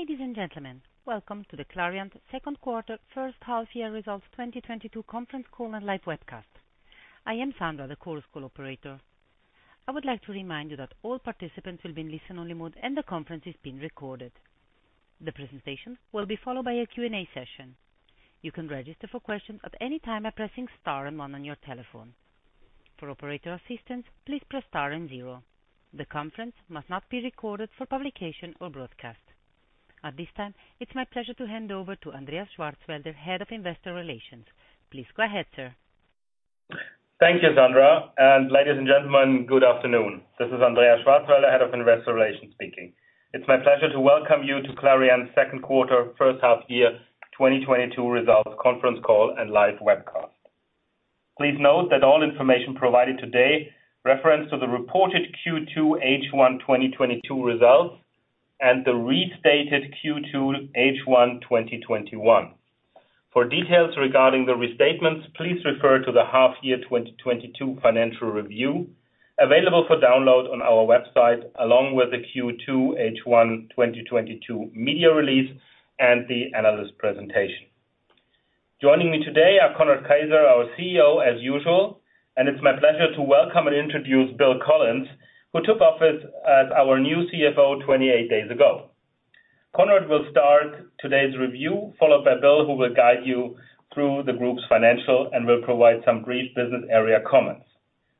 Ladies and gentlemen, welcome to the Clariant Second Quarter First Half Year Results 2022 Conference Call and Live Webcast. I am Sandra, the Chorus Call operator. I would like to remind you that all participants will be in listen-only mode and the conference is being recorded. The presentation will be followed by a Q&A session. You can register for questions at any time by pressing star and one on your telephone. For operator assistance, please press star and zero. The conference must not be recorded for publication or broadcast. At this time, it's my pleasure to hand over to Andreas Schwarzwälder, Head of Investor Relations. Please go ahead, sir. Thank you, Sandra. Ladies and gentlemen, good afternoon. This is Andreas Schwarzwälder, Head of Investor Relations speaking. It's my pleasure to welcome you to Clariant Second Quarter First Half Year 2022 Results Conference Call and Live Webcast. Please note that all information provided today reference to the reported Q2 H1 2022 results and the restated Q2 H1 2021. For details regarding the restatements, please refer to the half year 2022 Financial Review, available for download on our website, along with the Q2 H1 2022 media release and the analyst presentation. Joining me today are Conrad Keijzer, our CEO, as usual, and it's my pleasure to welcome and introduce Bill Collins, who took office as our new CFO 28 days ago. Conrad will start today's review, followed by Bill, who will guide you through the group's financials and will provide some brief business area comments.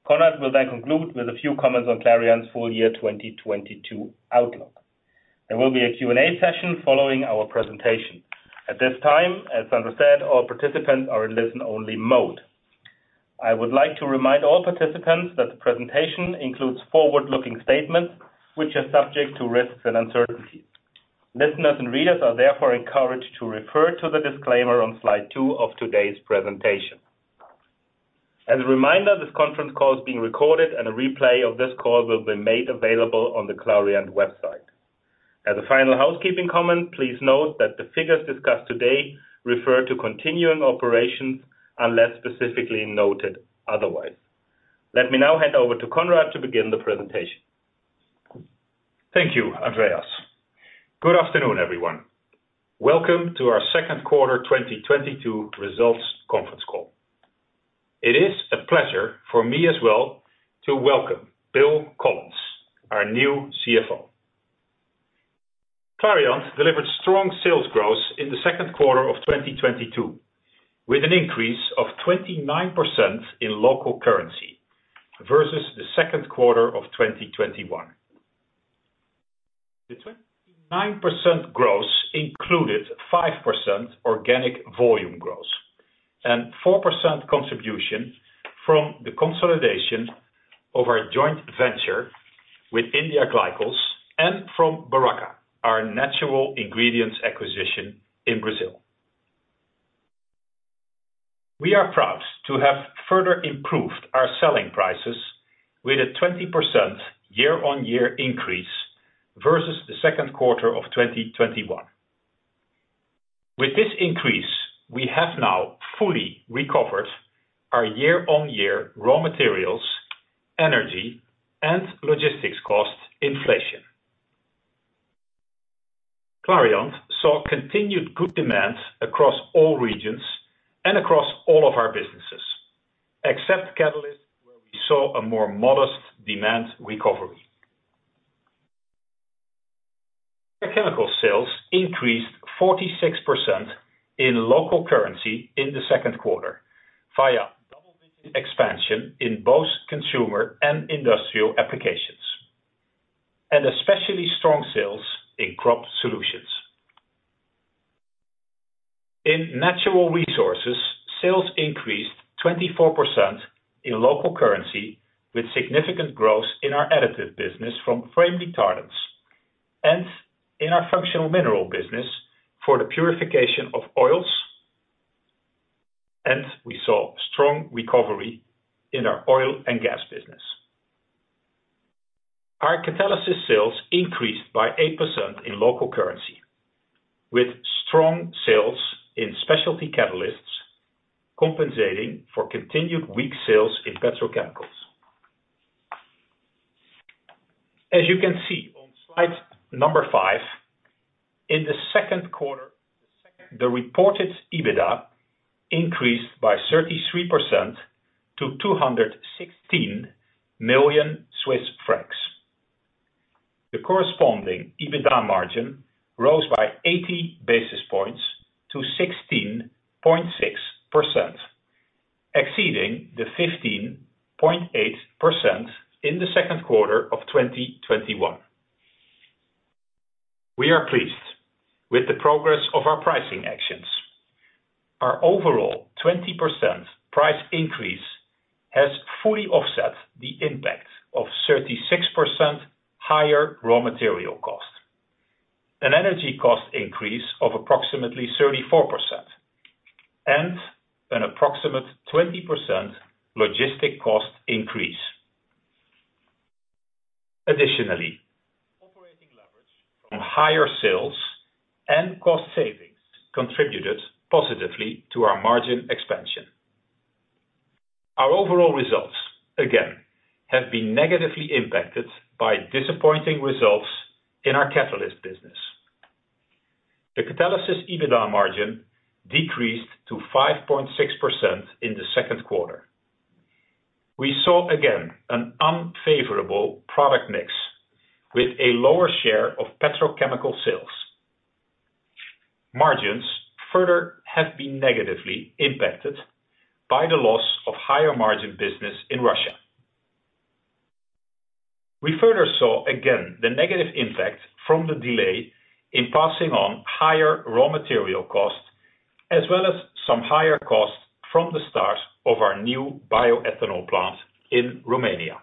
Conrad will then conclude with a few comments on Clariant full year 2022 outlook. There will be a Q&A session following our presentation. At this time, as Sandra said, all participants are in listen-only mode. I would like to remind all participants that the presentation includes forward-looking statements which are subject to risks and uncertainties. Listeners and readers are therefore encouraged to refer to the disclaimer on slide two of today's presentation. As a reminder, this conference call is being recorded and a replay of this call will be made available on the Clariant website. As a final housekeeping comment, please note that the figures discussed today refer to continuing operations unless specifically noted otherwise. Let me now hand over to Conrad to begin the presentation. Thank you, Andreas. Good afternoon, everyone. Welcome to our second quarter 2022 results conference call. It is a pleasure for me as well to welcome Bill Collins, our new CFO. Clariant delivered strong sales growth in the second quarter of 2022, with an increase of 29% in local currency versus the second quarter of 2021. The 29% growth included 5% organic volume growth and 4% contribution from the consolidation of our joint venture with India Glycols and from Beraca, our natural ingredients acquisition in Brazil. We are proud to have further improved our selling prices with a 20% year-on-year increase versus the second quarter of 2021. With this increase, we have now fully recovered our year-on-year raw materials, energy, and logistics cost inflation. Clariant saw continued good demand across all regions and across all of our businesses, except Catalysis, where we saw a more modest demand recovery. Care Chemicals sales increased 46% in local currency in the second quarter, via double-digit expansion in both consumer and industrial applications, and especially strong sales in crop solutions. In Natural Resources, sales increased 24% in local currency with significant growth in our Additives business from flame retardants and in our functional mineral business for the purification of oils, and we saw strong recovery in our oil and gas business. Our Catalysis sales increased by 8% in local currency, with strong sales in specialty catalysts compensating for continued weak sales in petrochemicals. As you can see on slide five, in the second quarter, the reported EBITDA increased by 33% to 216 million Swiss francs. The corresponding EBITDA margin rose by 80 basis points to 16.6%, exceeding the 15.8% in the second quarter of 2021. We are pleased with the progress of our pricing actions. Our overall 20% price increase has fully offset the impact of 36% higher raw material cost, an energy cost increase of approximately 34%, and an approximate 20% logistic cost increase. Additionally, operating leverage from higher sales and cost savings contributed positively to our margin expansion. Our overall results, again, have been negatively impacted by disappointing results in our Catalysis business. The Catalysis EBITDA margin decreased to 5.6% in the second quarter. We saw again, an unfavorable product mix with a lower share of petrochemical sales. Margins further have been negatively impacted by the loss of higher margin business in Russia. We further saw again the negative impact from the delay in passing on higher raw material costs, as well as some higher costs from the start of our new bioethanol plant in Romania.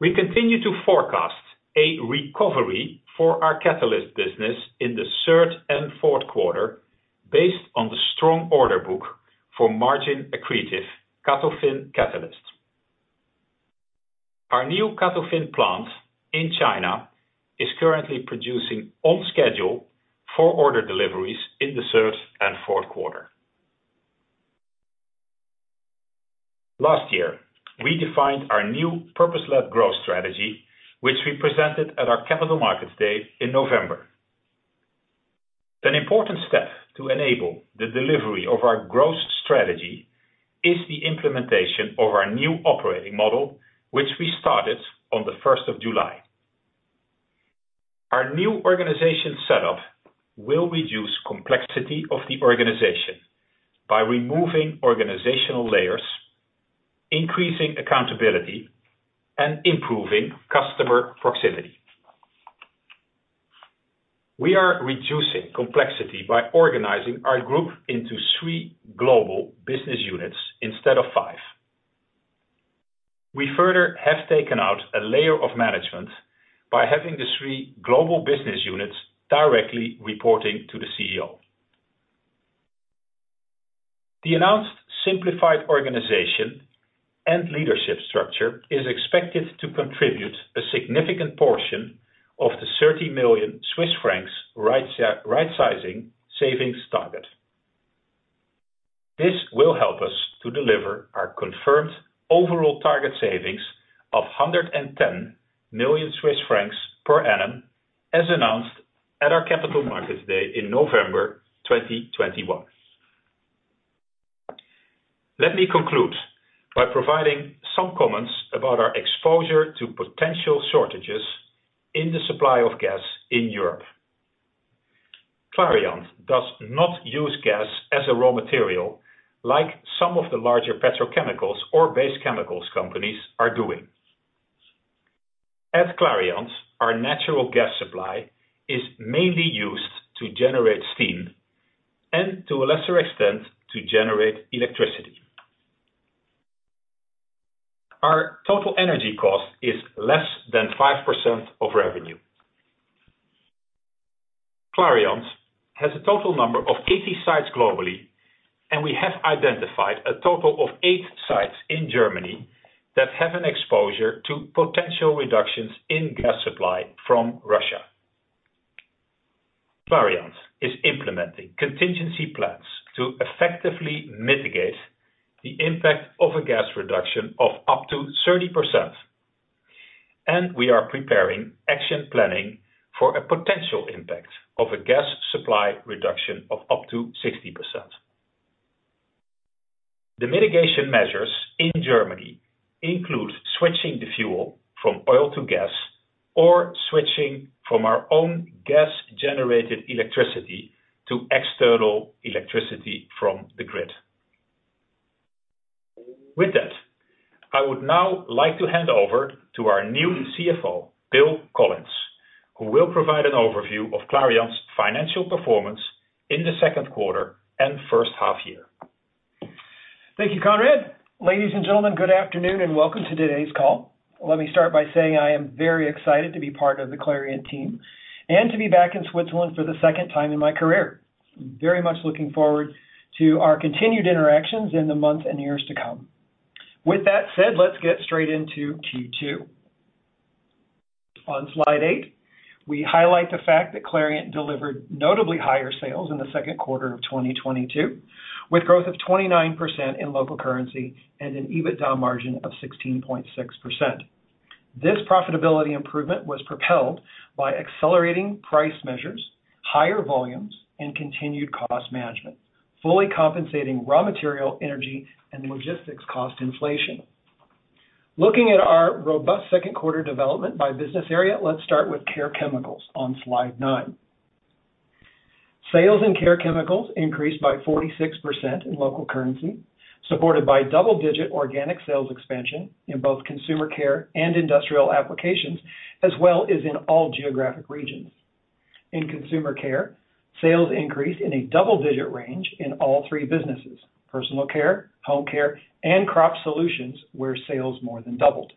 We continue to forecast a recovery for our catalyst business in the third and fourth quarter based on the strong order book for margin accretive CATOFIN catalyst. Our new CATOFIN plant in China is currently producing on schedule for order deliveries in the third and fourth quarter. Last year, we defined our new purpose-led growth strategy, which we presented at our Capital Markets Day in November. An important step to enable the delivery of our growth strategy is the implementation of our new operating model, which we started on the first of July. Our new organization setup will reduce complexity of the organization by removing organizational layers, increasing accountability and improving customer proximity. We are reducing complexity by organizing our group into three global business units instead of five. We further have taken out a layer of management by having the three global business units directly reporting to the CEO. The announced simplified organization and leadership structure is expected to contribute a significant portion of the 30 million Swiss francs rightsizing savings target. This will help us to deliver our confirmed overall target savings of 110 million Swiss francs per annum, as announced at our Capital Markets Day in November 2021. Let me conclude by providing some comments about our exposure to potential shortages in the supply of gas in Europe. Clariant does not use gas as a raw material like some of the larger petrochemicals or base chemicals companies are doing. At Clariant, our natural gas supply is mainly used to generate steam and to a lesser extent to generate electricity. Our total energy cost is less than 5% of revenue. Clariant has a total number of 80 sites globally, and we have identified a total of eight sites in Germany that have an exposure to potential reductions in gas supply from Russia. Clariant is implementing contingency plans to effectively mitigate the impact of a gas reduction of up to 30%, and we are preparing action planning for a potential impact of a gas supply reduction of up to 60%. The mitigation measures in Germany include switching the fuel from oil to gas, or switching from our own gas-generated electricity to external electricity from the grid. With that, I would now like to hand over to our new CFO, Bill Collins, who will provide an overview of Clariant's financial performance in the second quarter and first half year. Thank you, Conrad. Ladies and gentlemen, good afternoon, and welcome to today's call. Let me start by saying I am very excited to be part of the Clariant team and to be back in Switzerland for the second time in my career. Very much looking forward to our continued interactions in the months and years to come. With that said, let's get straight into Q2. On slide eight, we highlight the fact that Clariant delivered notably higher sales in the second quarter of 2022, with growth of 29% in local currency and an EBITDA margin of 16.6%. This profitability improvement was propelled by accelerating price measures, higher volumes, and continued cost management, fully compensating raw material, energy and logistics cost inflation. Looking at our robust second quarter development by business area, let's start with Care Chemicals on slide nine. Sales in Care Chemicals increased by 46% in local currency, supported by double-digit organic sales expansion in both consumer care and industrial applications, as well as in all geographic regions. In consumer care, sales increased in a double-digit range in all three businesses: personal care, home care, and crop solutions, where sales more than doubled.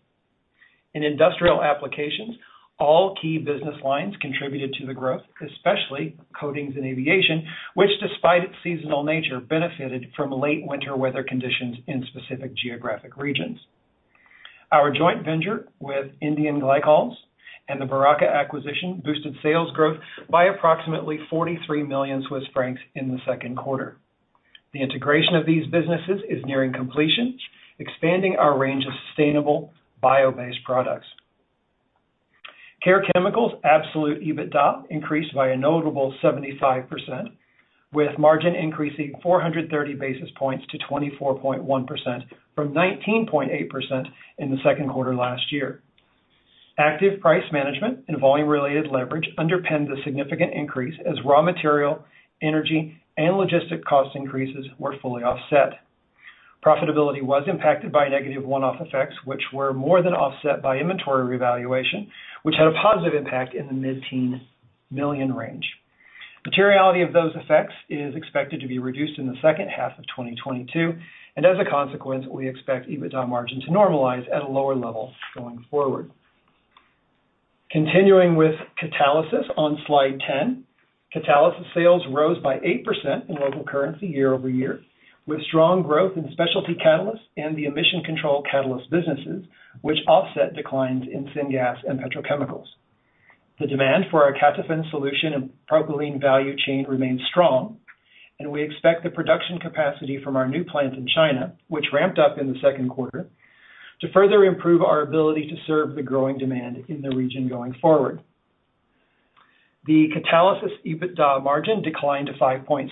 In industrial applications, all key business lines contributed to the growth, especially coatings and aviation, which despite its seasonal nature, benefited from late winter weather conditions in specific geographic regions. Our joint venture with India Glycols and the Beraca acquisition boosted sales growth by approximately 43 million Swiss francs in the second quarter. The integration of these businesses is nearing completion, expanding our range of sustainable bio-based products. Care Chemicals absolute EBITDA increased by a notable 75%, with margin increasing 430 basis points to 24.1% from 19.8% in the second quarter last year. Active price management and volume-related leverage underpinned a significant increase as raw material, energy, and logistics cost increases were fully offset. Profitability was impacted by negative one-off effects, which were more than offset by inventory revaluation, which had a positive impact in the mid-teens million range. Materiality of those effects is expected to be reduced in the second half of 2022, and as a consequence, we expect EBITDA margin to normalize at a lower level going forward. Continuing with Catalysis on slide 10, Catalysis sales rose by 8% in local currency year-over-year, with strong growth in specialty catalysts and the emission control catalyst businesses, which offset declines in syngas and petrochemicals. The demand for our CATOFIN solution and propylene value chain remains strong, and we expect the production capacity from our new plant in China, which ramped up in the second quarter, to further improve our ability to serve the growing demand in the region going forward. The Catalysis EBITDA margin declined to 5.6%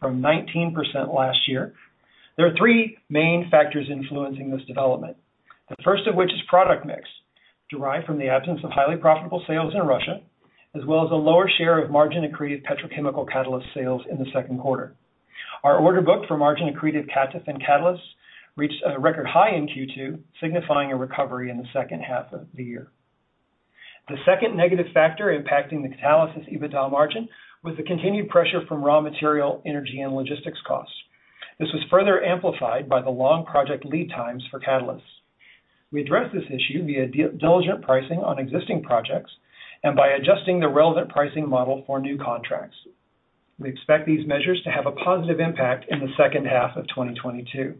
from 19% last year. There are three main factors influencing this development. The first of which is product mix, derived from the absence of highly profitable sales in Russia, as well as a lower share of margin-accretive petrochemical catalyst sales in the second quarter. Our order book for margin-accretive CATOFIN catalysts reached a record high in Q2, signifying a recovery in the second half of the year. The second negative factor impacting the Catalysis EBITDA margin was the continued pressure from raw material, energy, and logistics costs. This was further amplified by the long project lead times for catalysts. We addressed this issue via disciplined pricing on existing projects and by adjusting the relevant pricing model for new contracts. We expect these measures to have a positive impact in the second half of 2022.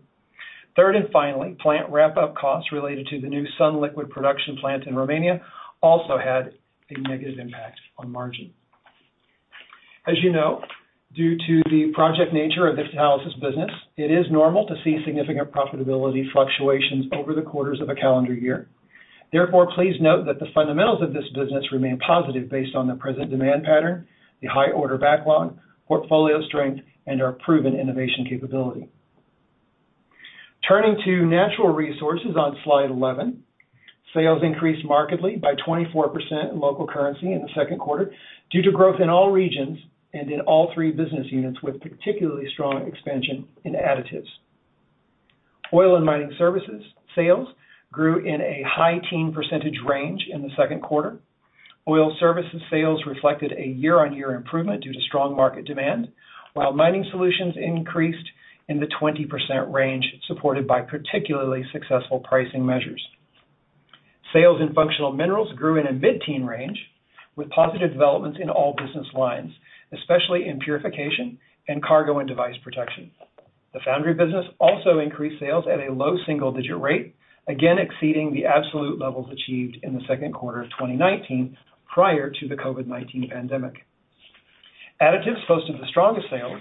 Third and finally, plant ramp-up costs related to the new sunliquid production plant in Romania also had a negative impact on margin. As you know, due to the project nature of the Catalysis business, it is normal to see significant profitability fluctuations over the quarters of a calendar year. Therefore, please note that the fundamentals of this business remain positive based on the present demand pattern, the high order backlog, portfolio strength, and our proven innovation capability. Turning to Natural Resources on slide 11, sales increased markedly by 24% in local currency in the second quarter due to growth in all regions and in all three business units, with particularly strong expansion in Additives. Oil and mining services sales grew in a high-teens percentage range in the second quarter. Oil services sales reflected a year-on-year improvement due to strong market demand, while mining solutions increased in the 20% range, supported by particularly successful pricing measures. Sales in functional minerals grew in a mid-teens range, with positive developments in all business lines, especially in purification and cargo and device protection. The foundry business also increased sales at a low single-digit rate, again exceeding the absolute levels achieved in the second quarter of 2019 prior to the COVID-19 pandemic. Additives posted the strongest sales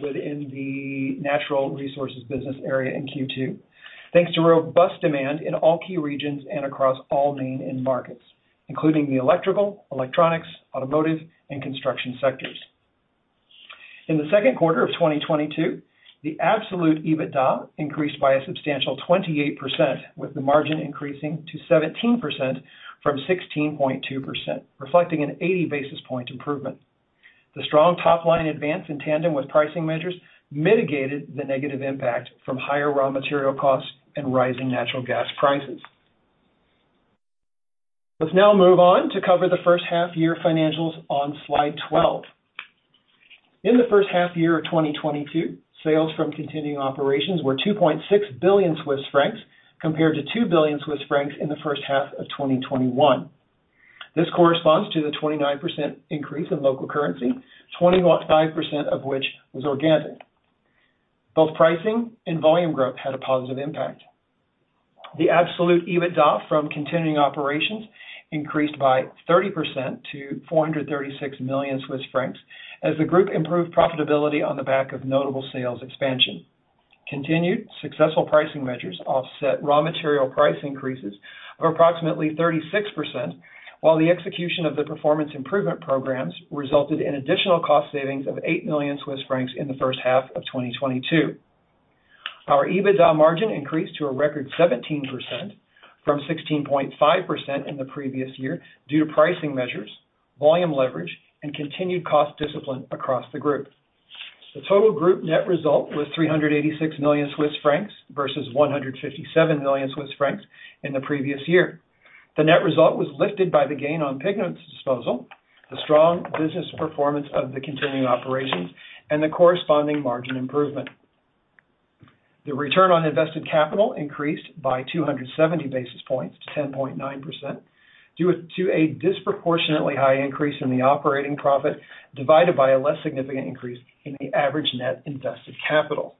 within the Natural Resources business area in Q2, thanks to robust demand in all key regions and across all main end markets, including the electrical, electronics, automotive, and construction sectors. In the second quarter of 2022, the absolute EBITDA increased by a substantial 28%, with the margin increasing to 17% from 16.2%, reflecting an eighty basis point improvement. The strong top-line advance in tandem with pricing measures mitigated the negative impact from higher raw material costs and rising natural gas prices. Let's now move on to cover the first half year financials on slide 12. In the first half year of 2022, sales from continuing operations were 2.6 billion Swiss francs compared to 2 billion Swiss francs in the first half of 2021. This corresponds to the 29% increase in local currency, 25% of which was organic. Both pricing and volume growth had a positive impact. The absolute EBITDA from continuing operations increased by 30% to 436 million Swiss francs as the group improved profitability on the back of notable sales expansion. Continued successful pricing measures offset raw material price increases of approximately 36%, while the execution of the performance improvement programs resulted in additional cost savings of 8 million Swiss francs in the first half of 2022. Our EBITDA margin increased to a record 17% from 16.5% in the previous year due to pricing measures, volume leverage, and continued cost discipline across the group. The total group net result was 386 million Swiss francs versus 157 million Swiss francs in the previous year. The net result was lifted by the gain on Pigments disposal, the strong business performance of the continuing operations, and the corresponding margin improvement. The return on invested capital increased by 270 basis points to 10.9% due to a disproportionately high increase in the operating profit, divided by a less significant increase in the average net invested capital.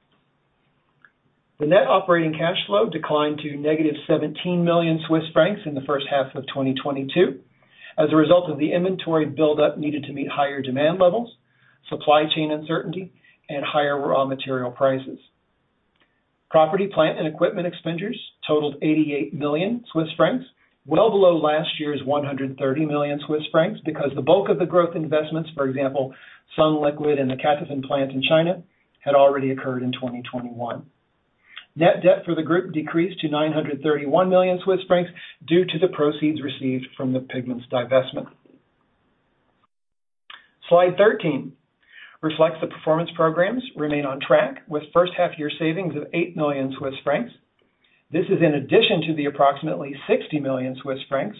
The net operating cash flow declined to -17 million Swiss francs in the first half of 2022 as a result of the inventory buildup needed to meet higher demand levels, supply chain uncertainty, and higher raw material prices. Property, plant, and equipment expenditures totaled 88 million Swiss francs, well below last year's 130 million Swiss francs because the bulk of the growth investments, for example, Sunliquid and the Catalyst plant in China, had already occurred in 2021. Net debt for the group decreased to 931 million Swiss francs due to the proceeds received from the Pigments divestment. Slide 13 reflects the performance programs remain on track with first half year savings of 8 million Swiss francs. This is in addition to the approximately 60 million Swiss francs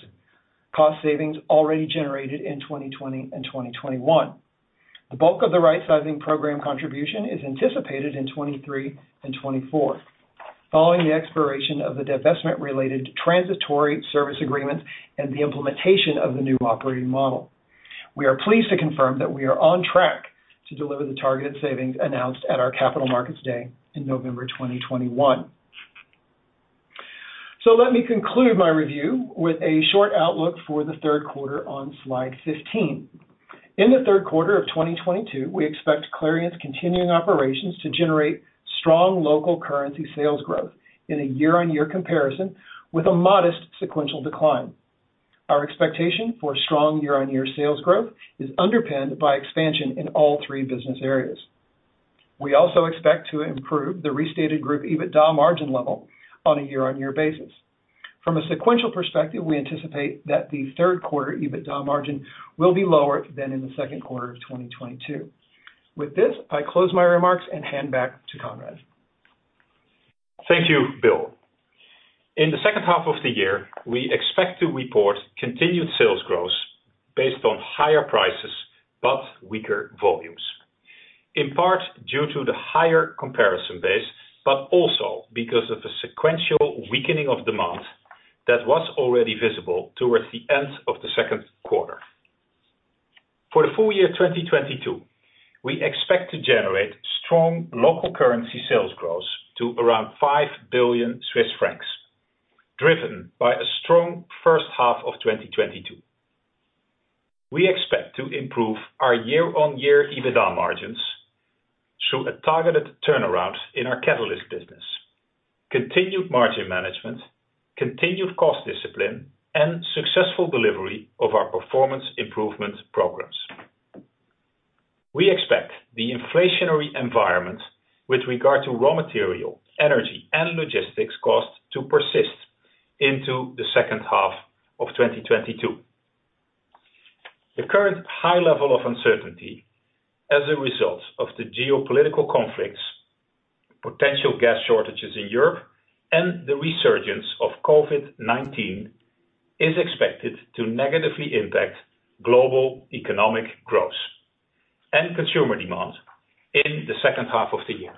cost savings already generated in 2020 and 2021. The bulk of the rightsizing program contribution is anticipated in 2023 and 2024 following the expiration of the divestment-related transitory service agreements and the implementation of the new operating model. We are pleased to confirm that we are on track to deliver the targeted savings announced at our Capital Markets Day in November 2021. Let me conclude my review with a short outlook for the third quarter on Slide 15. In the third quarter of 2022, we expect Clariant's continuing operations to generate strong local currency sales growth in a year-on-year comparison with a modest sequential decline. Our expectation for strong year-on-year sales growth is underpinned by expansion in all three business areas. We also expect to improve the restated group EBITDA margin level on a year-on-year basis. From a sequential perspective, we anticipate that the third quarter EBITDA margin will be lower than in the second quarter of 2022. With this, I close my remarks and hand back to Conrad. Thank you, Bill. In the second half of the year, we expect to report continued sales growth based on higher prices, but weaker volumes, in part due to the higher comparison base, but also because of the sequential weakening of demand that was already visible towards the end of the second quarter. For the full year 2022, we expect to generate strong local currency sales growth to around 5 billion Swiss francs, driven by a strong first half of 2022. We expect to improve our year-on-year EBITDA margins through a targeted turnaround in our Catalysis business, continued margin management, continued cost discipline, and successful delivery of our performance improvement programs. We expect the inflationary environment with regard to raw material, energy, and logistics costs to persist into the second half of 2022. The current high level of uncertainty as a result of the geopolitical conflicts, potential gas shortages in Europe, and the resurgence of COVID-19 is expected to negatively impact global economic growth and consumer demand in the second half of the year.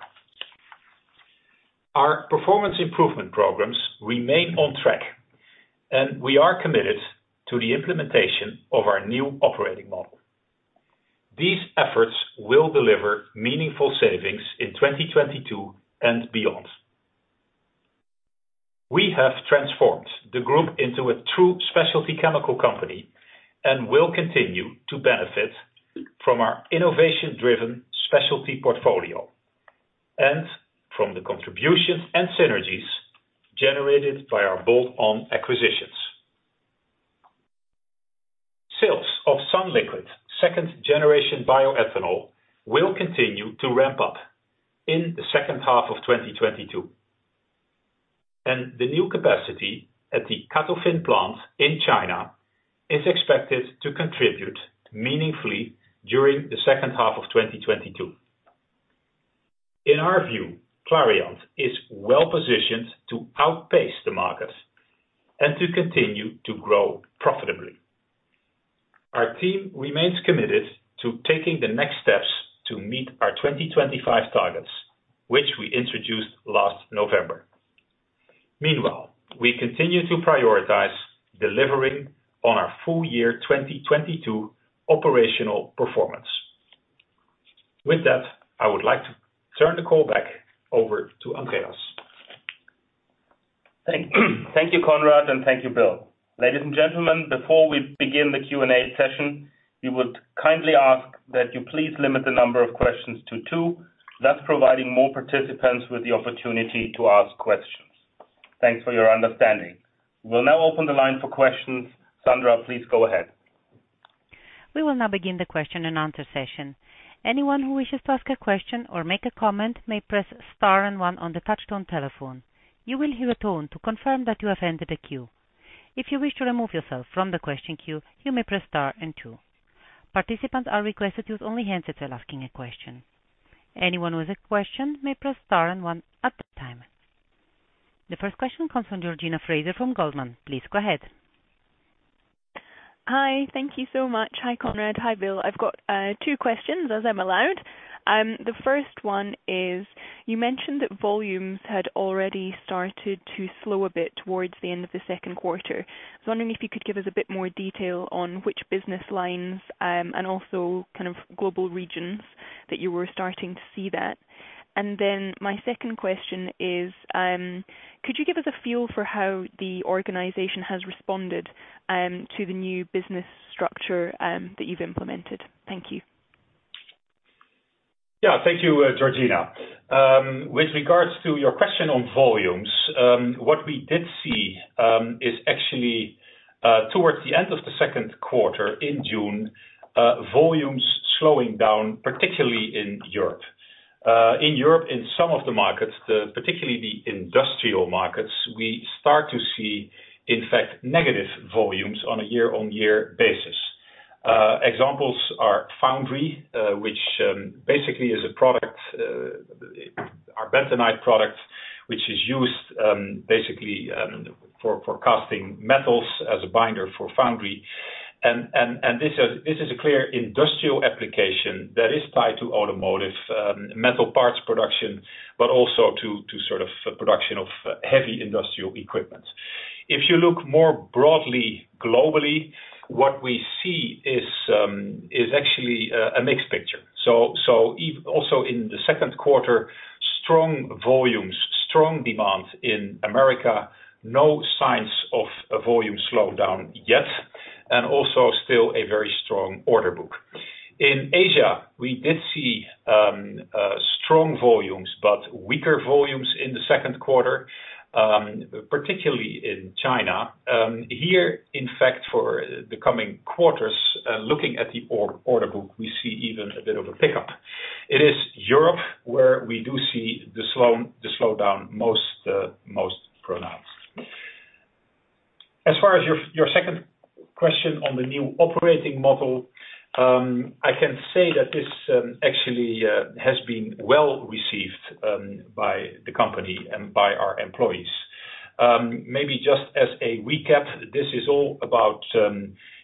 Our performance improvement programs remain on track, and we are committed to the implementation of our new operating model. These efforts will deliver meaningful savings in 2022 and beyond. We have transformed the group into a true specialty chemical company and will continue to benefit from our innovation-driven specialty portfolio and from the contributions and synergies generated by our bolt-on acquisitions. Sales of sunliquid second generation bioethanol will continue to ramp up in the second half of 2022, and the new capacity at the CATOFIN plant in China is expected to contribute meaningfully during the second half of 2022. In our view, Clariant is well positioned to outpace the market and to continue to grow profitably. Our team remains committed to taking the next steps to meet our 2025 targets, which we introduced last November. Meanwhile, we continue to prioritize delivering on our full year 2022 operational performance. With that, I would like to turn the call back over to Andreas. Thank you, Conrad, and thank you, Bill. Ladies and gentlemen, before we begin the Q&A session, we would kindly ask that you please limit the number of questions to two, thus providing more participants with the opportunity to ask questions. Thanks for your understanding. We'll now open the line for questions. Sandra, please go ahead. We will now begin the question and answer session. Anyone who wishes to ask a question or make a comment may press star and one on the touchtone telephone. You will hear a tone to confirm that you have entered the queue. If you wish to remove yourself from the question queue, you may press star and two. Participants are requested to only ask one question. Anyone with a question may press star and one at this time. The first question comes from Georgina Fraser from Goldman. Please go ahead. Hi. Thank you so much. Hi, Conrad. Hi, Bill. I've got two questions as I'm allowed. The first one is, you mentioned that volumes had already started to slow a bit towards the end of the second quarter. I was wondering if you could give us a bit more detail on which business lines, and also kind of global regions. That you were starting to see that. My second question is, could you give us a feel for how the organization has responded to the new business structure that you've implemented? Thank you. Yeah, thank you, Georgina. With regards to your question on volumes, what we did see is actually towards the end of the second quarter in June, volumes slowing down, particularly in Europe. In Europe, in some of the markets, particularly the industrial markets, we start to see, in fact, negative volumes on a year-on-year basis. Examples are foundry, which basically is a product, our bentonite product, which is used basically for casting metals as a binder for foundry. This is a clear industrial application that is tied to automotive metal parts production, but also to production of heavy industrial equipment. If you look more broadly globally, what we see is actually a mixed picture. Also in the second quarter, strong volumes, strong demand in America, no signs of a volume slowdown yet, and also still a very strong order book. In Asia, we did see strong volumes, but weaker volumes in the second quarter, particularly in China. Here, in fact, for the coming quarters, looking at the order book, we see even a bit of a pickup. It is Europe, where we do see the slowdown most pronounced. As far as your second question on the new operating model, I can say that this actually has been well received by the company and by our employees. Maybe just as a recap, this is all about,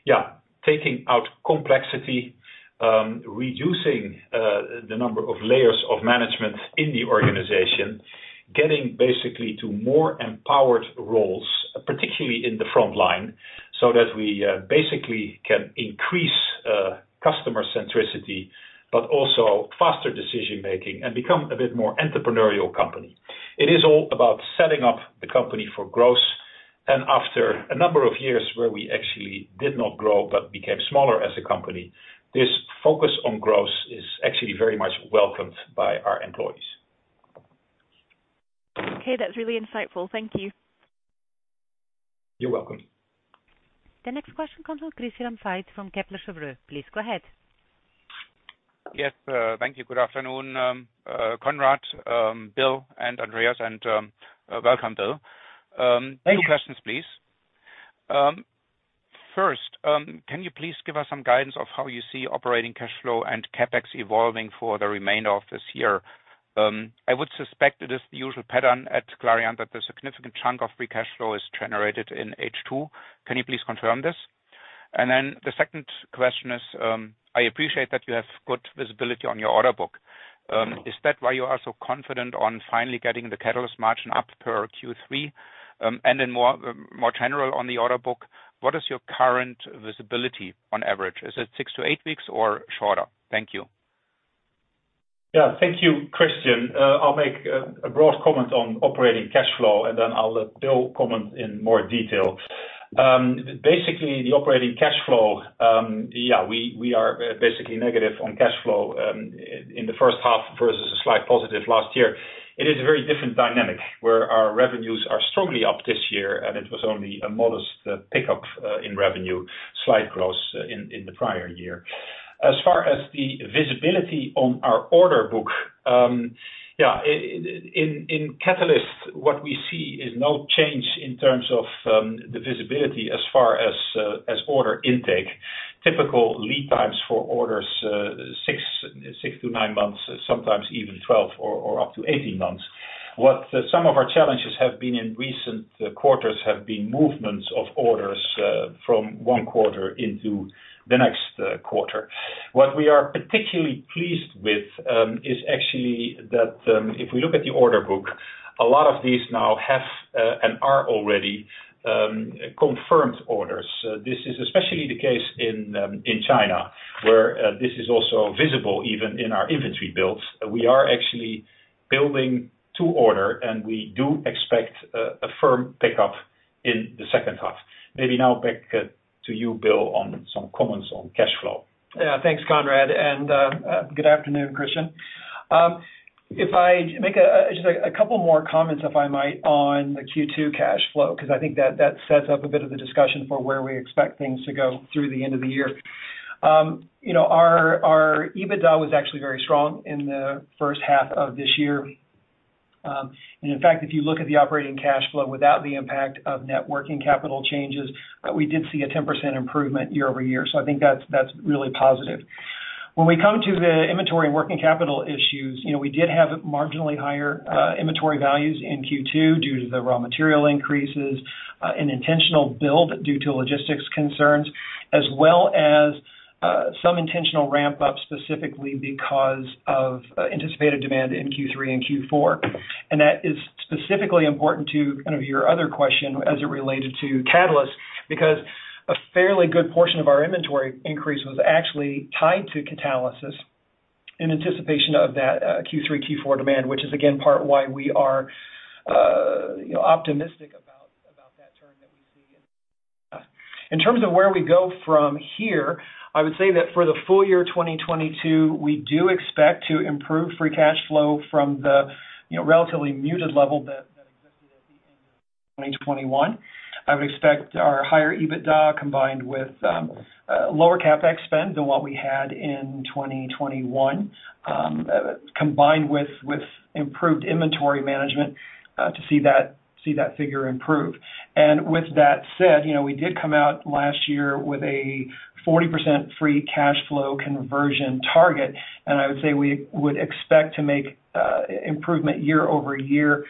yeah, taking out complexity, reducing the number of layers of management in the organization, getting basically to more empowered roles, particularly in the front line, so that we basically can increase customer centricity, but also faster decision-making and become a bit more entrepreneurial company. It is all about setting up the company for growth. After a number of years where we actually did not grow but became smaller as a company, this focus on growth is actually very much welcomed by our employees. Okay, that's really insightful. Thank you. You're welcome. The next question comes from Christian Faitz from Kepler Cheuvreux. Please go ahead. Yes. Thank you. Good afternoon, Conrad, Bill and Andreas. Welcome, Bill. Thank you. Two questions, please. First, can you please give us some guidance of how you see operating cash flow and CapEx evolving for the remainder of this year? I would suspect it is the usual pattern at Clariant that the significant chunk of free cash flow is generated in H2. Can you please confirm this? The second question is, I appreciate that you have good visibility on your order book. Is that why you are so confident on finally getting the catalyst margin up in Q3? More general on the order book, what is your current visibility on average? Is it six to eight weeks or shorter? Thank you. Thank you, Christian. I'll make a broad comment on operating cash flow, and then I'll let Bill comment in more detail. Basically, the operating cash flow, we are basically negative on cash flow in the first half versus a slight positive last year. It is a very different dynamic, where our revenues are strongly up this year, and it was only a modest pickup in revenue, slight growth in the prior year. As far as the visibility on our order book, in Catalysis, what we see is no change in terms of the visibility as far as order intake. Typical lead times for orders, six to nine months, sometimes even 12 or up to 18 months. What some of our challenges have been in recent quarters have been movements of orders from one quarter into the next quarter. What we are particularly pleased with is actually that if we look at the order book, a lot of these now have and are already confirmed orders. This is especially the case in China, where this is also visible even in our inventory builds. We are actually building to order, and we do expect a firm pickup in the second half. Maybe now back to you, Bill, on some comments on cash flow. Yeah. Thanks, Conrad. Good afternoon, Christian. If I make just a couple more comments, if I might, on the Q2 cash flow, 'cause I think that sets up a bit of the discussion for where we expect things to go through the end of the year. You know, our EBITDA was actually very strong in the first half of this year. In fact, if you look at the operating cash flow without the impact of net working capital changes, we did see a 10% improvement year-over-year. I think that's really positive. When we come to the inventory and working capital issues, you know, we did have marginally higher inventory values in Q2 due to the raw material increases, an intentional build due to logistics concerns, as well as, some intentional ramp up specifically because of anticipated demand in Q3 and Q4. That is specifically important to kind of your other question as it related to catalyst, because a fairly good portion of our inventory increase was actually tied to catalysis. In anticipation of that Q3, Q4 demand, which is again part why we are, you know, optimistic about that turn that we see. In terms of where we go from here, I would say that for the full year 2022, we do expect to improve free cash flow from the, you know, relatively muted level that existed at the end of 2021. I would expect our higher EBITDA combined with lower CapEx spend than what we had in 2021, combined with improved inventory management to see that figure improve. With that said, you know, we did come out last year with a 40% free cash flow conversion target, and I would say we would expect to make improvement year-over-year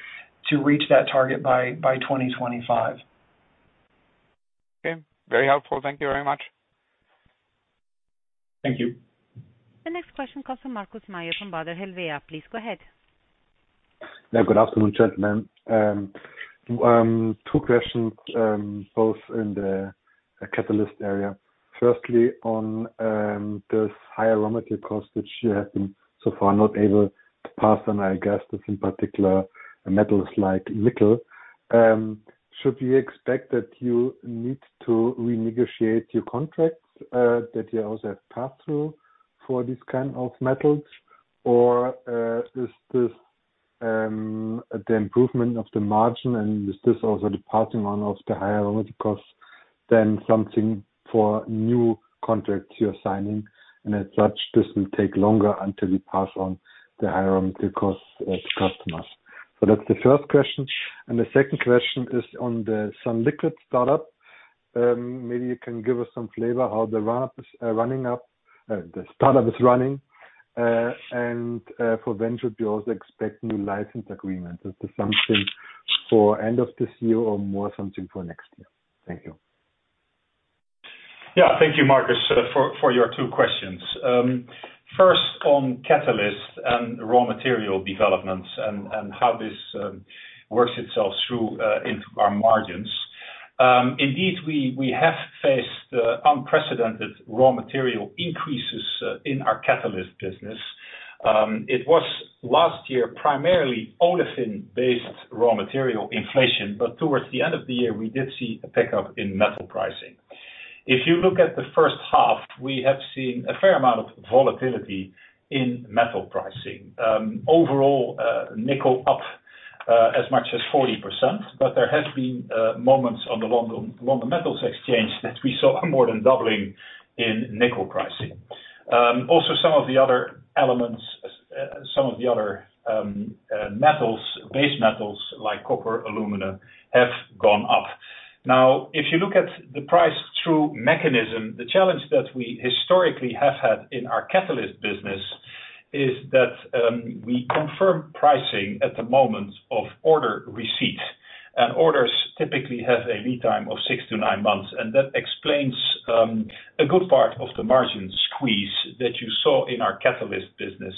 to reach that target by 2025. Okay. Very helpful. Thank you very much. Thank you. The next question comes from Markus Mayer from Baader Helvea. Please go ahead. Yeah. Good afternoon, gentlemen. Two questions, both in the catalyst area. Firstly, on this higher raw material cost, which you have been so far not able to pass on, I guess that's in particular metals like nickel. Should we expect that you need to renegotiate your contracts, that you also have passed through for this kind of metals? Or is this the improvement of the margin and is this also the passing on of the higher raw material costs than something for new contracts you're signing, and as such, this will take longer until you pass on the higher raw material costs to customers? That's the first question. The second question is on the sunliquid startup. Maybe you can give us some flavor how the ramp is running, the startup is running, and for when should we also expect new license agreements. Is this something for end of this year or more something for next year? Thank you. Yeah. Thank you, Markus, for your two questions. First on catalyst and raw material developments and how this works itself through into our margins. Indeed, we have faced unprecedented raw material increases in our catalyst business. It was last year, primarily olefin-based raw material inflation, but towards the end of the year, we did see a pickup in metal pricing. If you look at the first half, we have seen a fair amount of volatility in metal pricing. Overall, nickel up as much as 40%, but there has been moments on the London Metal Exchange that we saw more than doubling in nickel pricing. Also some of the other elements, some of the other metals, base metals like copper, aluminum, have gone up. Now, if you look at the pass-through mechanism, the challenge that we historically have had in our catalyst business is that we confirm pricing at the moment of order receipt, and orders typically have a lead time of six to nine months, and that explains a good part of the margin squeeze that you saw in our catalyst business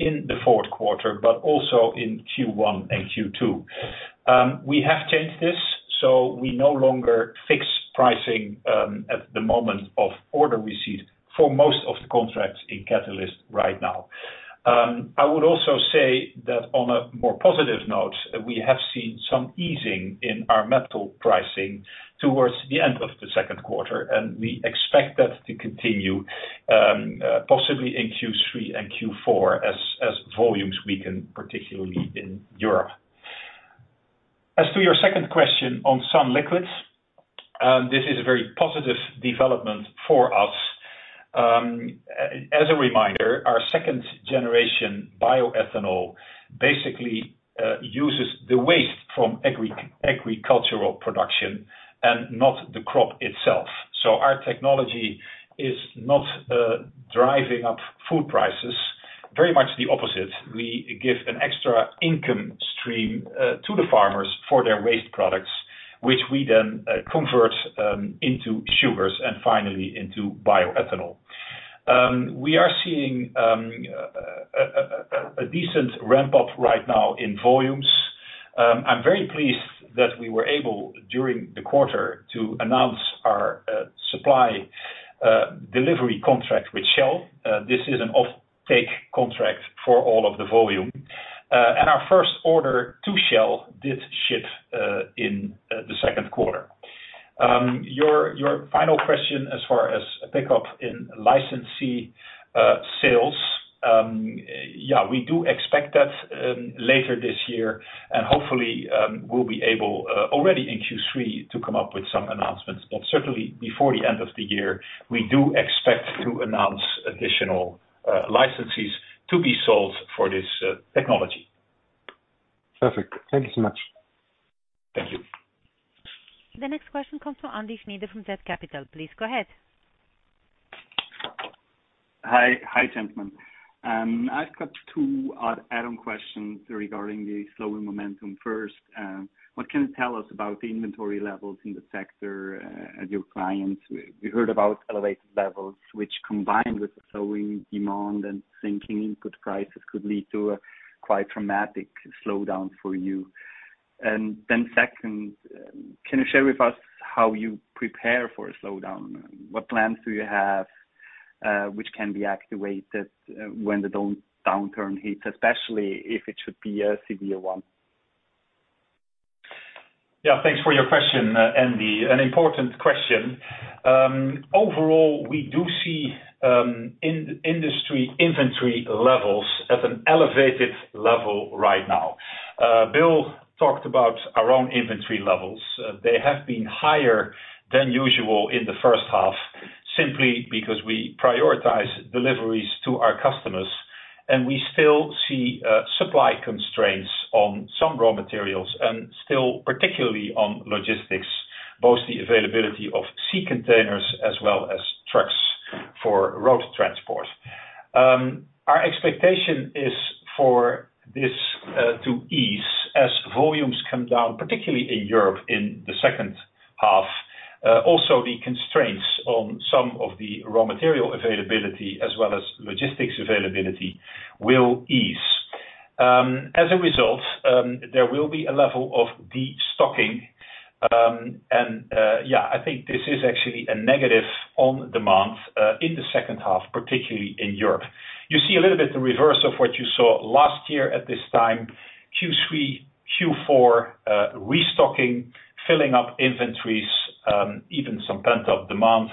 in the fourth quarter, but also in Q1 and Q2. We have changed this, so we no longer fix pricing at the moment of order receipt for most of the contracts in catalyst right now. I would also say that on a more positive note, we have seen some easing in our metal pricing towards the end of the second quarter, and we expect that to continue, possibly in Q3 and Q4 as volumes weaken, particularly in Europe. As to your second question on sunliquid, this is a very positive development for us. As a reminder, our second generation bioethanol basically uses the waste from agricultural production and not the crop itself. Our technology is not driving up food prices. Very much the opposite. We give an extra income stream to the farmers for their waste products, which we then convert into sugars and finally into bioethanol. We are seeing a decent ramp up right now in volumes. I'm very pleased that we were able, during the quarter, to announce our supply delivery contract with Shell. This is an offtake contract for all of the volume. Our first order to Shell did ship in the second quarter. Your final question as far as a pickup in licensee sales, yeah, we do expect that later this year, and hopefully we'll be able already in Q3 to come up with some announcements. Certainly before the end of the year, we do expect to announce additional licensees to be sold for this technology. Perfect. Thank you so much. Thank you. The next question comes from Andy Schneider from Jet Capital. Please go ahead. Hi. Hi, gentlemen. I've got two add-on questions regarding the slowing momentum. First, what can you tell us about the inventory levels in the sector, as your clients? We heard about elevated levels, which combined with the slowing demand and sinking input prices, could lead to a quite dramatic slowdown for you. Second, can you share with us how you prepare for a slowdown? What plans do you have, which can be activated when the downturn hits, especially if it should be a severe one? Yeah, thanks for your question, Andy. An important question. Overall, we do see in industry inventory levels at an elevated level right now. Bill talked about our own inventory levels. They have been higher than usual in the first half simply because we prioritize deliveries to our customers, and we still see supply constraints on some raw materials and still particularly on logistics, both the availability of sea containers as well as trucks for road transport. Our expectation is for this to ease as volumes come down, particularly in Europe in the second half. Also the constraints on some of the raw material availability as well as logistics availability will ease. As a result, there will be a level of destocking. Yeah, I think this is actually a negative on demand in the second half, particularly in Europe. You see a little bit the reverse of what you saw last year at this time, Q3, Q4, restocking, filling up inventories, even some pent-up demand.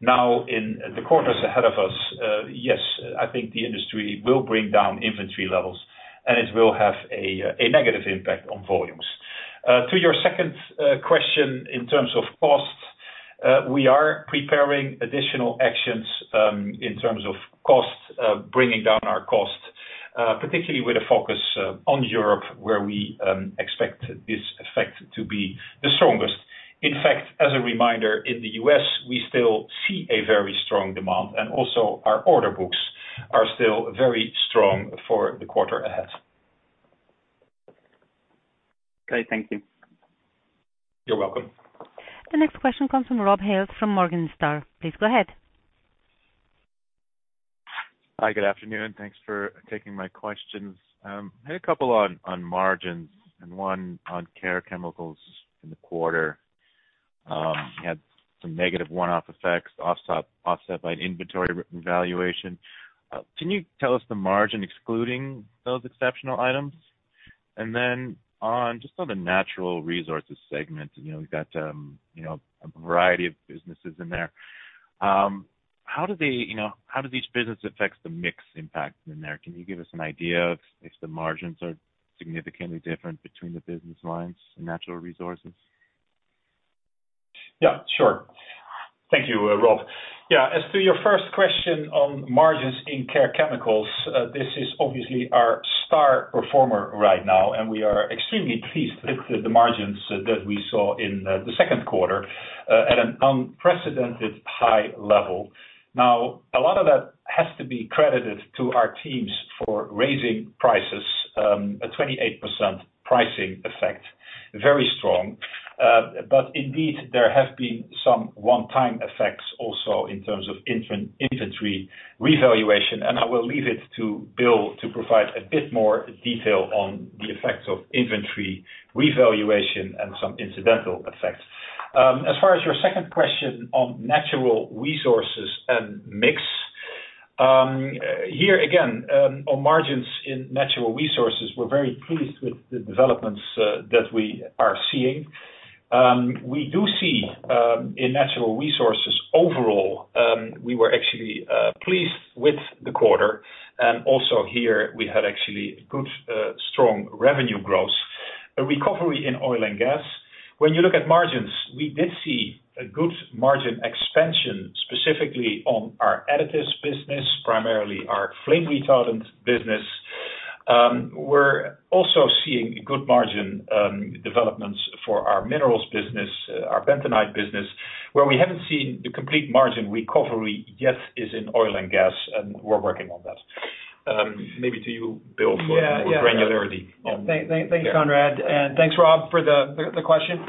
Now, in the quarters ahead of us, yes, I think the industry will bring down inventory levels, and it will have a negative impact on volumes. To your second question, in terms of costs, we are preparing additional actions, in terms of costs, bringing down our costs, particularly with a focus on Europe, where we expect this effect to be the strongest. In fact, as a reminder, in the U.S., we still see a very strong demand, and also our order books are still very strong for the quarter ahead. Okay. Thank you. You're welcome. The next question comes from Rob Hales from Morningstar. Please go ahead. Hi, good afternoon. Thanks for taking my questions. I had a couple on margins and one on Care Chemicals in the quarter. You had some negative one-off effects offset by an inventory valuation. Can you tell us the margin excluding those exceptional items? On the Natural Resources segment, you know, we've got you know, a variety of businesses in there. How do they, you know, how does each business affects the mix impact in there? Can you give us an idea if the margins are significantly different between the business lines and Natural Resources? Yeah, sure. Thank you, Rob. Yeah, as to your first question on margins in Care Chemicals, this is obviously our star performer right now, and we are extremely pleased with the margins that we saw in the second quarter at an unprecedented high level. Now, a lot of that has to be credited to our teams for raising prices, a 28% pricing effect, very strong. But indeed, there have been some one-time effects also in terms of inventory revaluation, and I will leave it to Bill to provide a bit more detail on the effects of inventory revaluation and some incidental effects. As far as your second question on Natural Resources and mix, here again, on margins in Natural Resources, we're very pleased with the developments that we are seeing. We do see, in Natural Resources overall, we were actually pleased with the quarter. Also here we had actually good strong revenue growth, a recovery in oil and gas. When you look at margins, we did see a good margin expansion, specifically on our Additives business, primarily our flame retardant business. We're also seeing good margin developments for our minerals business, our bentonite business, where we haven't seen the complete margin recovery yet is in oil and gas, and we're working on that. Maybe to you, Bill, for more granularity on. Yeah. Thanks, Conrad, and thanks, Rob, for the question.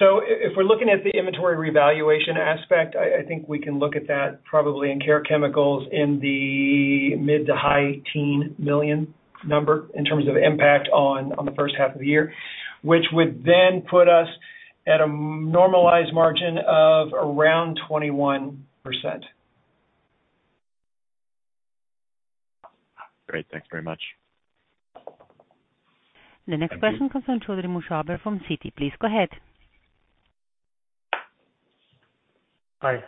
If we're looking at the inventory revaluation aspect, I think we can look at that probably in Care Chemicals in the mid-to-high-teens million number in terms of impact on the first half of the year, which would then put us at a normalized margin of around 21%. Great. Thanks very much. The next question comes from Chaudhry Mubasher from Citi. Please go ahead. Hi.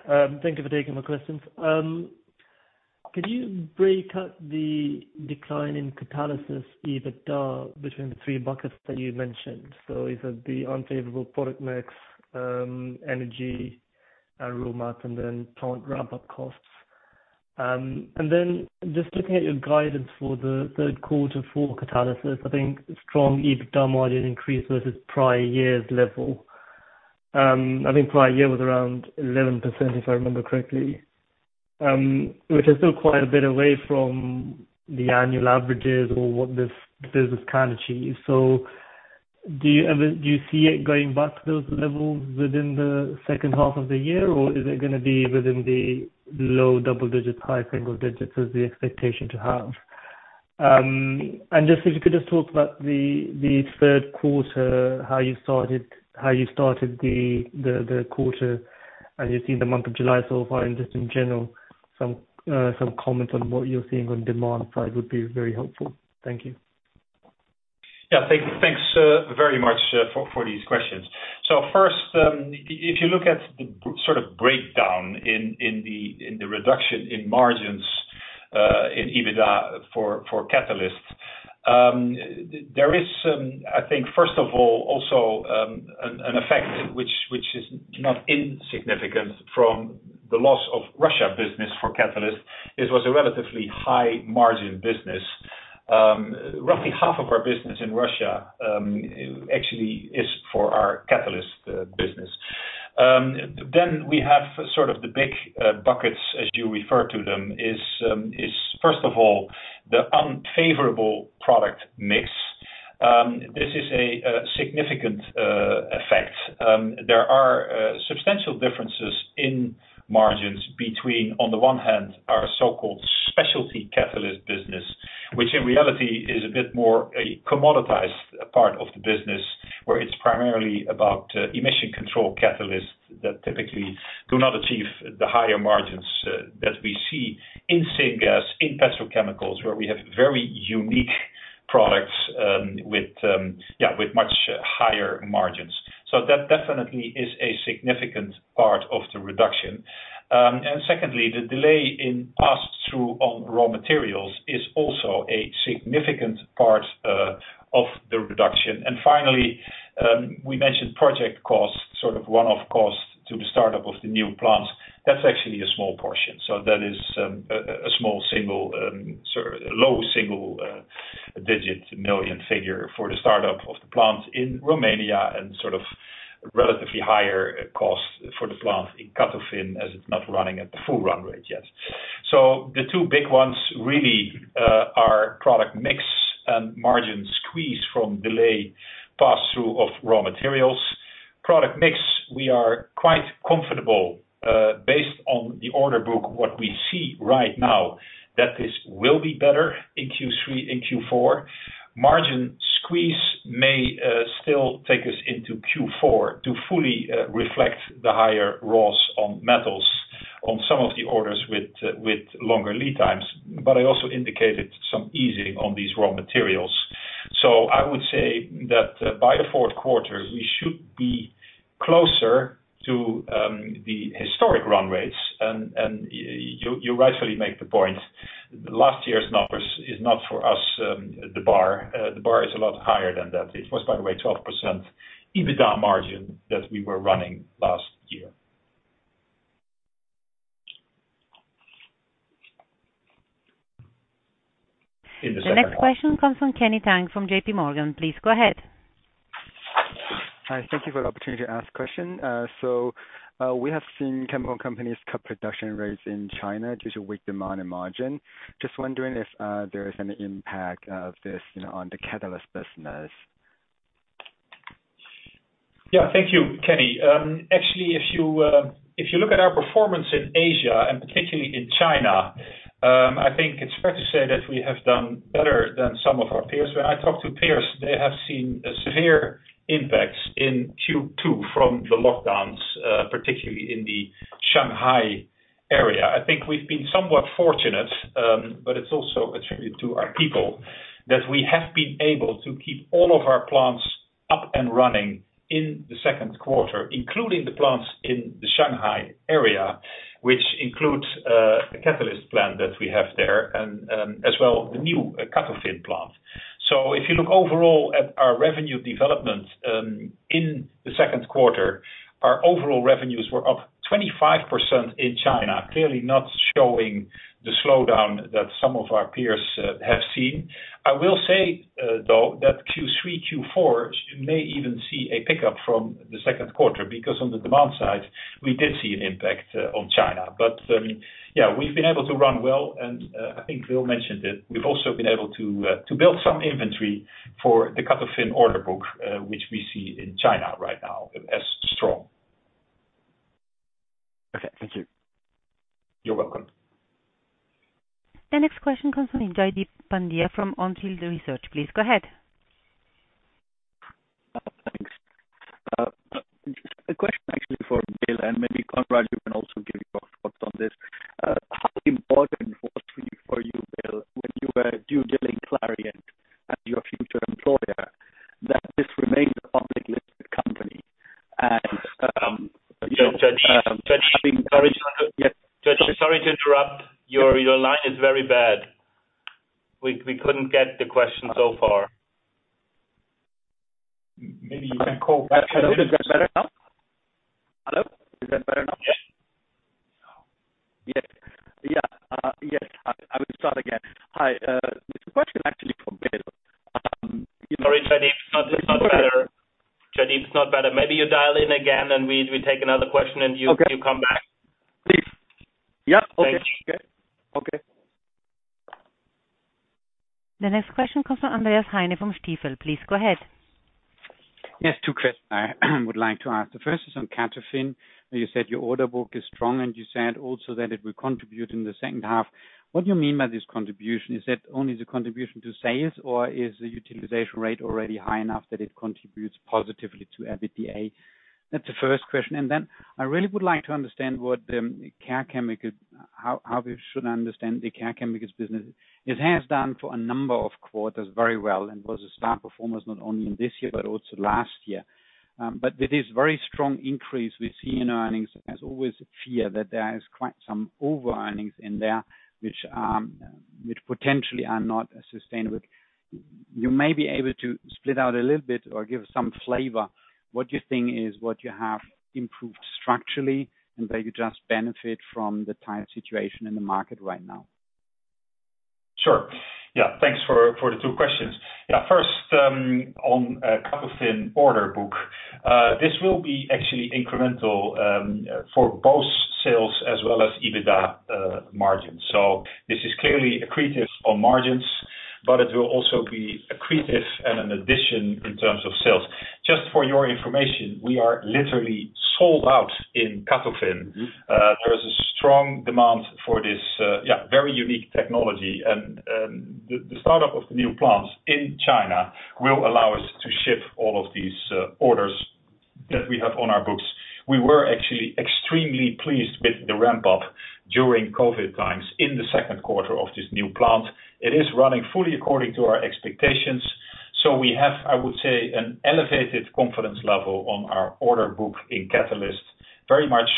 Thank you for taking my questions. Could you break up the decline in Catalysis EBITDA between the three buckets that you mentioned? Is it the unfavorable product mix, energy roadmap, and then plant ramp-up costs. Then just looking at your guidance for the third quarter for Catalysis, I think strong EBITDA margin increase versus prior year's level. I think prior year was around 11%, if I remember correctly, which is still quite a bit away from the annual averages or what this business can achieve. Do you see it going back to those levels within the second half of the year, or is it gonna be within the low double digits, high single digits as the expectation to have? Just if you could just talk about the third quarter, how you started the quarter, as you see the month of July so far, and just in general, some comments on what you're seeing on demand side would be very helpful. Thank you. Thanks very much for these questions. First, if you look at the sort of breakdown in the reduction in margins in EBITDA for catalyst, there is some. I think first of all, also, an effect which is not insignificant from the loss of Russian business for catalyst. This was a relatively high margin business. Roughly half of our business in Russia actually is for our catalyst business. Then we have sort of the big buckets as you refer to them, is first of all, the unfavorable product mix. This is a significant effect. There are substantial differences in margins between, on the one hand, our so-called specialty catalyst business, which in reality is a bit more a commoditized part of the business where it's primarily about emission control catalysts that typically do not achieve the higher margins that we see in syngas, in petrochemicals, where we have very unique products with yeah, with much higher margins. That definitely is a significant part of the reduction. Secondly, the delay in pass through on raw materials is also a significant part of the reduction. Finally, we mentioned project costs, sort of one-off costs to the start of the new plants. That's actually a small portion. That is a small sort of low single-digit million CHF figure for the start of the plant in Romania, and sort of relatively higher cost for the plant in CATOFIN as it's not running at the full run rate yet. The two big ones really are product mix and margin squeeze from delayed pass-through of raw materials. Product mix, we are quite comfortable based on the order book, what we see right now, that this will be better in Q3 and Q4. Margin squeeze may still take us into Q4 to fully reflect the higher raws on metals on some of the orders with longer lead times. But I also indicated some easing on these raw materials. I would say that by the fourth quarter, we should be closer to the historic run rates. You rightfully make the point. Last year's numbers is not for us, the bar. The bar is a lot higher than that. It was, by the way, 12% EBITDA margin that we were running last year. The next question comes from Kenny Tang from JPMorgan. Please go ahead. Hi. Thank you for the opportunity to ask question. We have seen chemical companies cut production rates in China due to weak demand and margin. Just wondering if there is any impact of this, you know, on the catalyst business. Yeah, thank you, Kenny. Actually, if you look at our performance in Asia and particularly in China, I think it's fair to say that we have done better than some of our peers. When I talk to peers, they have seen a severe impacts in Q2 from the lockdowns, particularly in the Shanghai area. I think we've been somewhat fortunate, but it's also attributed to our people, that we have been able to keep all of our plants up and running in the second quarter, including the plants in the Shanghai area, which includes the catalyst plant that we have there and, as well the new CATOFIN plant. If you look overall at our revenue development, in the second quarter, our overall revenues were up 25% in China, clearly not showing the slowdown that some of our peers have seen. I will say, though, that Q3, Q4 may even see a pickup from the second quarter because on the demand side, we did see an impact on China. We've been able to run well, and I think Bill mentioned it. We've also been able to to build some inventory for the CATOFIN order book, which we see in China right now as strong. Okay, thank you. You're welcome. The next question comes from Jaideep Pandya from On Field Investment Research. Please go ahead. Thanks. A question actually for Bill, and maybe Conrad, you can also give your thoughts on this. How important was for you, Bill, when you were doing due diligence on Clariant as your future employer, that this remained a publicly listed company? You know, Jaideep, sorry to interrupt. Your line is very bad. We couldn't get the question so far. Maybe you can call back. Hello, is that better now? Yeah. Yes, I will start again. Hi, this question actually for Bill. Sorry, Jaideep. It's not better. Maybe you dial in again and we take another question and you come back. Please. Yeah. Okay. Thanks. Okay. The next question comes from Andreas Heine from Stifel. Please go ahead. Yes, two questions I would like to ask. The first is on CATOFIN. You said your order book is strong, and you said also that it will contribute in the second half. What do you mean by this contribution? Is that only the contribution to sales, or is the utilization rate already high enough that it contributes positively to EBITDA? That's the first question. Then I really would like to understand what, how we should understand the Care Chemicals business. It has done for a number of quarters very well and was a star performance not only in this year but also last year. But it is very strong increase we see in earnings. There's always a fear that there is quite some overearnings in there which potentially are not sustainable. You may be able to split out a little bit or give some flavor what you think is what you have improved structurally, and maybe you just benefit from the tight situation in the market right now. Sure. Yeah, thanks for the two questions. Yeah, first, on CATOFIN order book, this will be actually incremental, for both sales as well as EBITDA, margins. This is clearly accretive on margins, but it will also be accretive and an addition in terms of sales. Just for your information, we are literally sold out in CATOFIN. Mm-hmm. There is a strong demand for this very unique technology, and the start of the new plants in China will allow us to ship all of these orders that we have on our books. We were actually extremely pleased with the ramp-up during COVID times in the second quarter of this new plant. It is running fully according to our expectations, so we have, I would say, an elevated confidence level on our order book in Catalysis, very much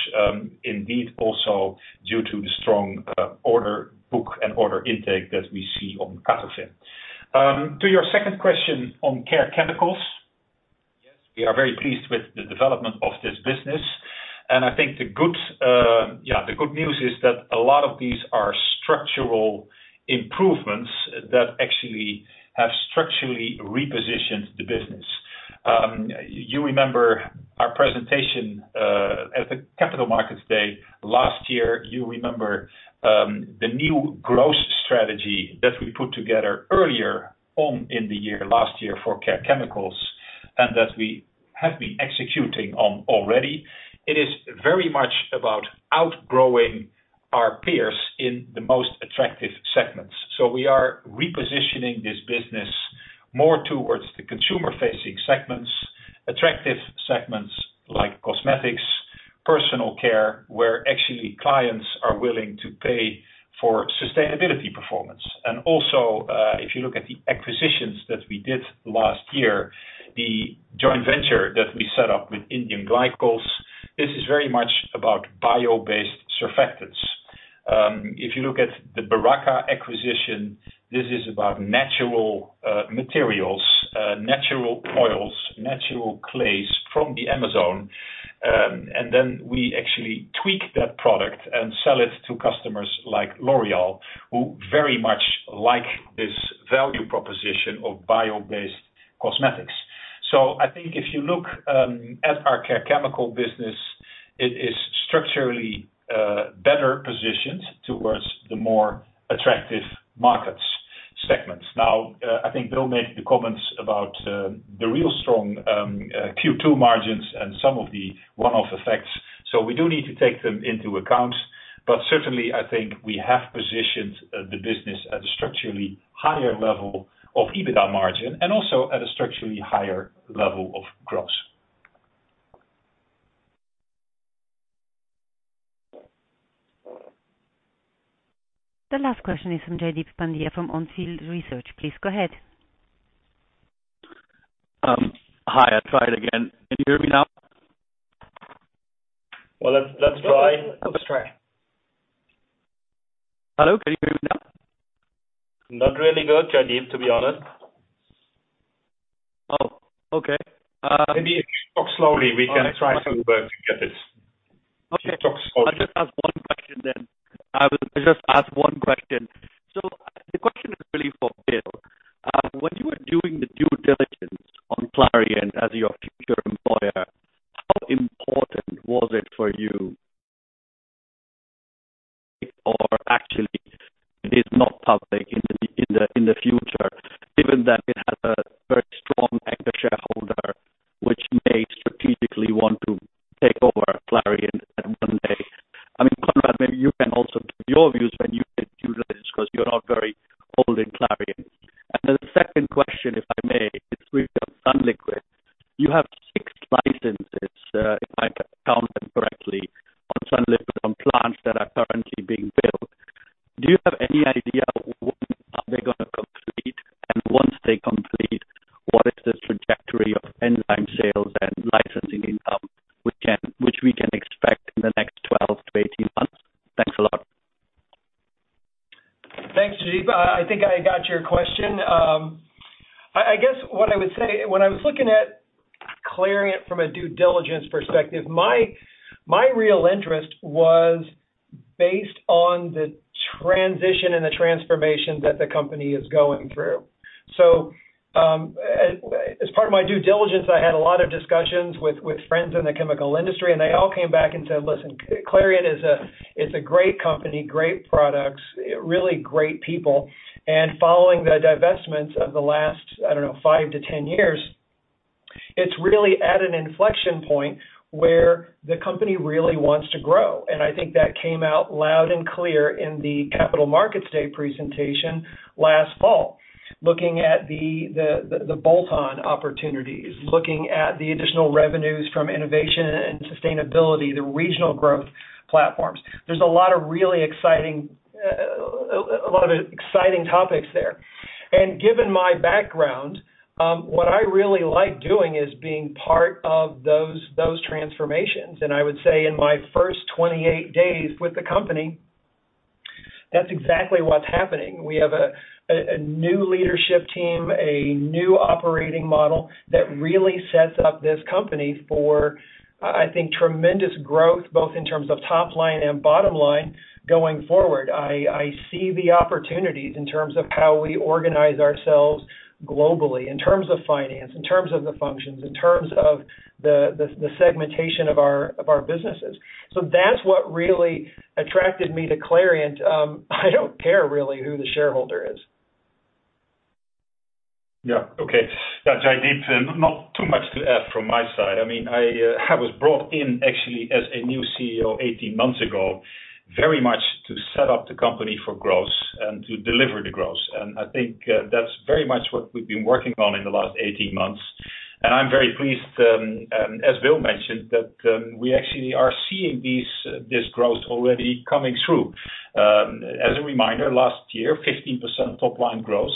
indeed also due to the strong order book and order intake that we see on CATOFIN. To your second question on Care Chemicals. Yes, we are very pleased with the development of this business. I think the good news is that a lot of these are structural improvements that actually have structurally repositioned the business. You remember our presentation at the Capital Markets Day last year. You remember the new growth strategy that we put together earlier on in the year, last year for Care Chemicals, and that we have been executing on already. It is very much about outgrowing our peers in the most attractive segments. We are repositioning this business more towards the consumer-facing segments, attractive segments like cosmetics, personal care, where actually clients are willing to pay for sustainability performance. Also, if you look at the acquisitions that we did last year, the joint venture that we set up with India Glycols, this is very much about bio-based surfactants. If you look at the Beraca acquisition, this is about natural materials, natural oils, natural clays from the Amazon. We actually tweak that product and sell it to customers like L'Oréal, who very much like this value proposition of bio-based cosmetics. I think if you look at our Care Chemicals business, it is structurally better positioned towards the more attractive market segments. Now, I think Bill made the comments about the really strong Q2 margins and some of the one-off effects. We do need to take them into account, but certainly I think we have positioned the business at a structurally higher level of EBITDA margin and also at a structurally higher level of growth. The last question is from Jaideep Pandya from On Field Investment Research. Please go ahead. Hi. I'll try it again. Can you hear me now? Well, let's try. Let's try. Hello, can you hear me now? Not really good, Jaideep, to be honest. Oh, okay. Maybe if you talk slowly, we can try to get it. Okay. If you talk slowly. I'll just ask one question. The question is really for Bill. When you were doing the due diligence on Clariant as your future employer, how important was it for you or actually it is not public in the future, given that it has a very strong anchor shareholder which may strategically want to take over Clariant at one day? I mean, Conrad, maybe you can also give your views when you did due diligence 'cause you're not very old in Clariant. The second question, if I may, is with sunliquid. You have six licenses, if I counted correctly, on sunliquid, on plants that are currently being built. Do you have any idea when are they gonna complete? Once they complete, what is the trajectory of enzyme sales and licensing income we can expect in the next 12-18 months? Thanks a lot. Thanks, Jaideep. I think I got your question. I guess what I would say, when I was looking at Clariant from a due diligence perspective, my real interest was based on the transition and the transformation that the company is going through. As part of my due diligence, I had a lot of discussions with friends in the chemical industry, and they all came back and said, "Listen, Clariant is a great company, great products, really great people." Following the divestments of the last, I don't know, five to 10 years. It's really at an inflection point where the company really wants to grow, and I think that came out loud and clear in the Capital Markets Day presentation last fall. Looking at the bolt-on opportunities, looking at the additional revenues from innovation and sustainability, the regional growth platforms. There's a lot of really exciting topics there. Given my background, what I really like doing is being part of those transformations. I would say, in my first 28 days with the company, that's exactly what's happening. We have a new leadership team, a new operating model that really sets up this company for, I think, tremendous growth, both in terms of top line and bottom line going forward. I see the opportunities in terms of how we organize ourselves globally, in terms of finance, in terms of the functions, in terms of the segmentation of our businesses. That's what really attracted me to Clariant. I don't care really who the shareholder is. Yeah. Okay. Jaideep, not too much to add from my side. I mean, I was brought in actually as a new CEO 18 months ago, very much to set up the company for growth and to deliver the growth. I think, that's very much what we've been working on in the last 18 months. I'm very pleased, as Bill mentioned, that, we actually are seeing this growth already coming through. As a reminder, last year, 15% top line growth,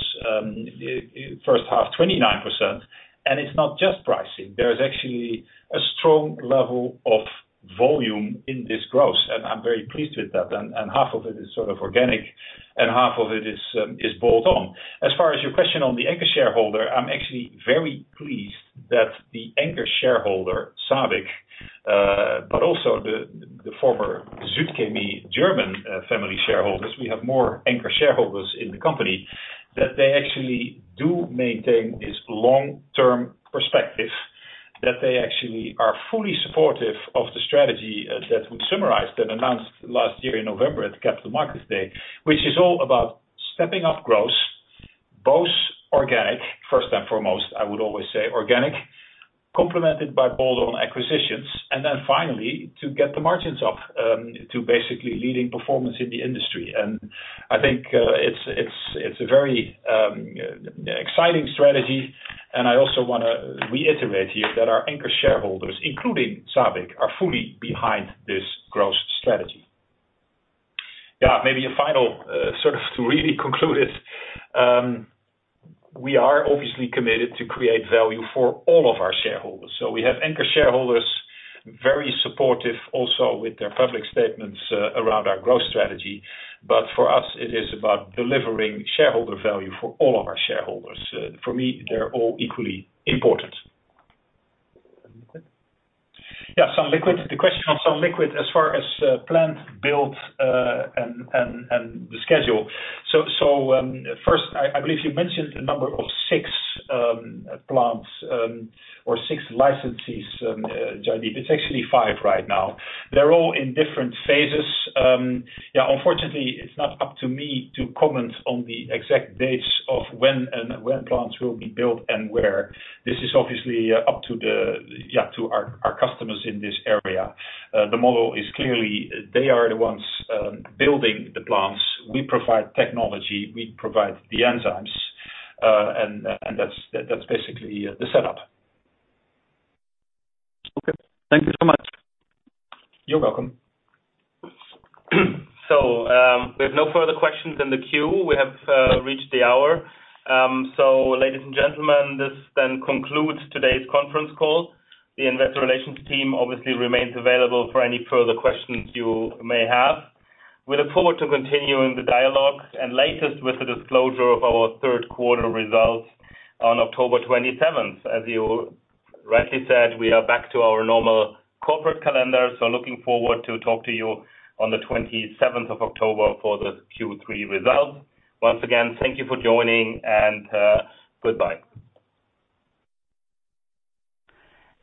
in first half, 29%, and it's not just pricing. There is actually a strong level of volume in this growth, and I'm very pleased with that. And half of it is sort of organic and half of it is bolt-on. As far as your question on the anchor shareholder, I'm actually very pleased that the anchor shareholder, SABIC, but also the former Süd-Chemie German family shareholders, we have more anchor shareholders in the company, that they actually do maintain this long-term perspective, that they actually are fully supportive of the strategy that we summarized and announced last year in November at the Capital Markets Day, which is all about stepping up growth, both organic, first and foremost, I would always say organic, complemented by bolt-on acquisitions. Finally, to get the margins up, to basically leading performance in the industry. I think, it's a very exciting strategy. I also wanna reiterate here that our anchor shareholders, including SABIC, are fully behind this growth strategy. Yeah, maybe a final, sort of to really conclude it. We are obviously committed to create value for all of our shareholders. We have anchor shareholders, very supportive also with their public statements, around our growth strategy. For us, it is about delivering shareholder value for all of our shareholders. For me, they're all equally important. Sunliquid? Yeah. sunliquid. The question on sunliquid, as far as plant build and the schedule. First, I believe you mentioned the number of six plants or six licensees, Jaideep. It's actually five right now. They're all in different phases. Yeah, unfortunately, it's not up to me to comment on the exact dates of when and where plants will be built and where. This is obviously up to our customers in this area. The model is clearly they are the ones building the plants. We provide technology, we provide the enzymes, and that's basically the setup. Okay. Thank you so much. You're welcome. We have no further questions in the queue. We have reached the hour. Ladies and gentlemen, this then concludes today's conference call. The investor relations team obviously remains available for any further questions you may have. We look forward to continuing the dialogue and lastly with the disclosure of our third quarter results on October 27th. As you rightly said, we are back to our normal corporate calendar, so looking forward to talk to you on the 27th of October for the Q3 results. Once again, thank you for joining and goodbye.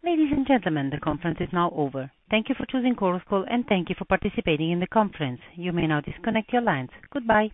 Ladies and gentlemen, the conference is now over. Thank you for choosing Chorus Call, and thank you for participating in the conference. You may now disconnect your lines. Goodbye.